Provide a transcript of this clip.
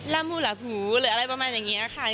มูหลาหูหรืออะไรประมาณอย่างนี้ค่ะ